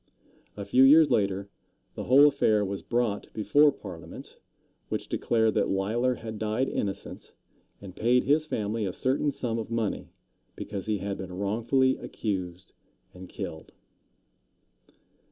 A few years later, the whole affair was brought before Parliament, which declared that Leisler had died innocent, and paid his family a certain sum of money because he had been wrongfully accused and killed.